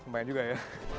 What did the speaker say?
banyak juga ya